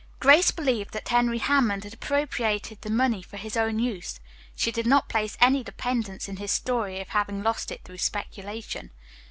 Grace believed that Henry Hammond had appropriated the money for his own use. She did not place any dependence in his story of having lost it through speculation.